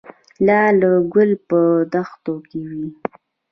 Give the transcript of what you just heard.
د لاله ګل په دښتو کې وي